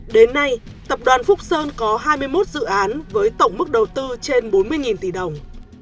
đến nay tập đoàn phúc sơn có hai mươi một dự án với tổng mức đầu tư trên bốn mươi tỷ đồng